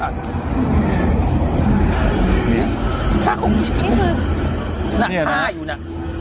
น่ะฆ่าอยู่น่ะ